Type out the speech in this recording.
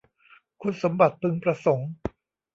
คุณสมบัติพึงประสงค์